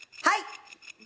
はい。